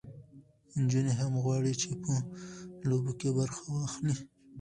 نجونې هم غواړي چې په لوبو کې برخه واخلي.